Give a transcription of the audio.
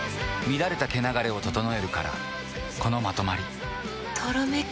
乱れた毛流れを整えるからこのまとまりとろめく。